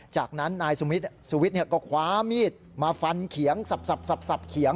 จากนั้นนายสุวิทย์ก็คว้ามีดมาฟันเขียงสับเขียง